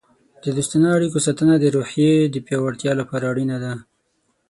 د دوستانه اړیکو ساتنه د روحیې د پیاوړتیا لپاره اړینه ده.